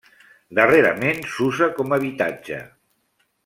Darrerament s'usa com a habitatge.